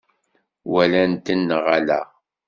Walant-ten neɣ ala?